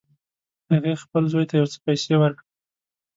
هغې خپل زوی ته یو څه پیسې ورکړې